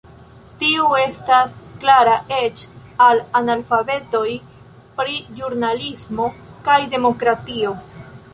Tio estas klara eĉ al analfabetoj pri ĵurnalismo kaj demokratio.